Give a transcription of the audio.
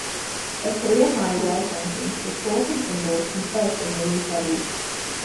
Her career-high world rankings were fourth in singles and first in women's doubles.